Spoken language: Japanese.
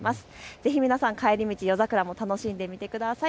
ぜひ皆さん、帰り道夜桜も楽しんでみてください。